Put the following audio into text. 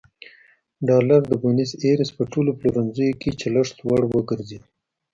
ډالر د بونیس ایرس په ټولو پلورنځیو کې چلښت وړ وګرځېد.